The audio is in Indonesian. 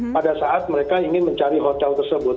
pada saat mereka ingin mencari hotel tersebut